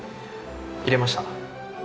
入れました。